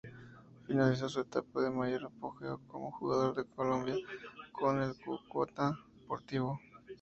Finalizó su etapa de mayor apogeo como jugador en Colombia con el Cúcuta Deportivo.